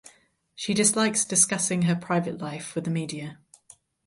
She dislikes discussing her private life with the media.